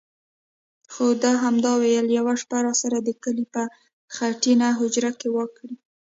خو ده همدا ویل: یوه شپه راسره د کلي په خټینه هوجره کې وکړئ.